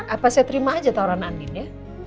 apa saya terima aja tawaran andin ya